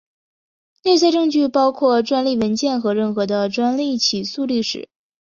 内在证据包括专利文件和任何的专利起诉历史。